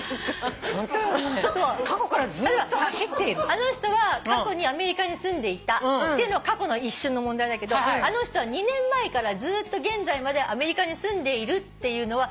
「あの人は過去にアメリカに住んでいた」っていうのは過去の一瞬の問題だけど「あの人は２年前からずっと現在までアメリカに住んでいる」っていうのは。